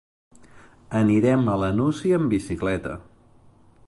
Anirem a la Nucia amb bicicleta.